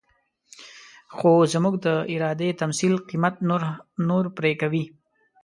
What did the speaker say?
خو زموږ د ارادې تمثيل قيمت نور پرې کوي.